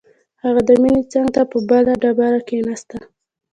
هغه د مينې څنګ ته په بله ډبره کښېناست.